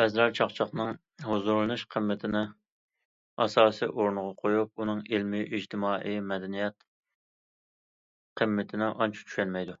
بەزىلەر چاقچاقنىڭ ھۇزۇرلىنىش قىممىتىنى ئاساسىي ئورۇنغا قويۇپ، ئۇنىڭ ئىلمىي، ئىجتىمائىي، مەدەنىيەت قىممىتىنى ئانچە چۈشەنمەيدۇ.